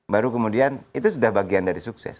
baru kemudian itu sudah bagian dari sukses